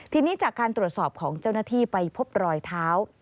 ทีนี้จากการตรวจสอบของเจ้าหน้าที่ไปพบรอยเท้า